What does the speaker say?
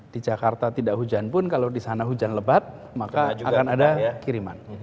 di jakarta tidak hujan pun kalau di sana hujan lebat maka akan ada kiriman